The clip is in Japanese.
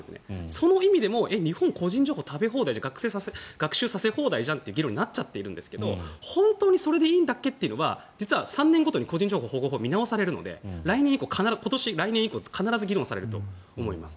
その意味でも日本は個人情報食べ放題じゃん学習させ放題じゃんという議論になってますが本当にそれでいいんだっけ？というのは実は３年ごとに個人情報保護法見直されるので来年以降、必ず議論されると思います。